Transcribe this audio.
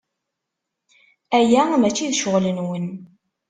Aya maci d ccɣel-nwen.